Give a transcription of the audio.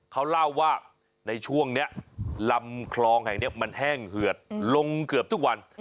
เขาเล่าว่าในช่วงนี้ลำคลองแห่งนี้มันแห้งเหือดลงเกือบทุกวัน